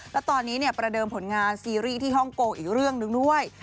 แล้วตอนนี้ประเดิมผลงานซีรีส์ที่ฮ่องกงอีกเรื่องหนึ่งด้วย